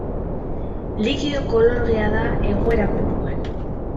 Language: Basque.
Likido kolorgea da egoera puruan.